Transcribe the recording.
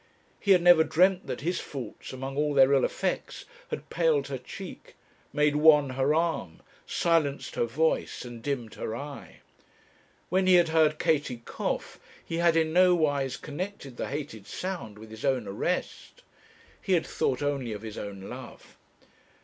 He had never dreamt that his faults, among all their ill effects, had paled her cheek, made wan her arm, silenced her voice, and dimmed her eye. When he had heard Katie cough, he had in nowise connected the hated sound with his own arrest. He had thought only of his own love.